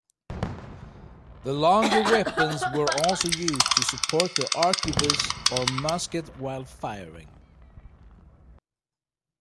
The longer weapons were also used to support the arquebus or musket while firing.